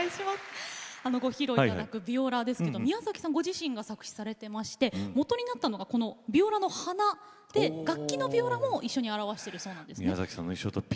ご披露いただく「ビオラ」ですけれど宮崎さんご自身が作詞をされていましてもとになったのがビオラの花で楽器のビオラも一緒に表しているそうです。